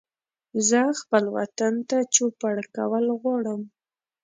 زه خپل وطن ته چوپړ کول غواړم